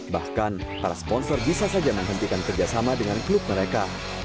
bahkan para sponsor bisa saja menghentikan kerjasama dengan klub mereka